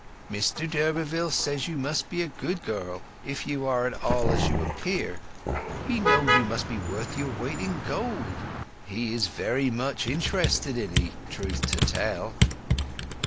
"Mr d'Urberville says you must be a good girl if you are at all as you appear; he knows you must be worth your weight in gold. He is very much interested in 'ee—truth to tell."